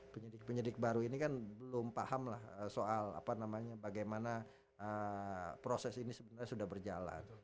penyidik penyidik baru ini kan belum paham lah soal apa namanya bagaimana proses ini sebenarnya sudah berjalan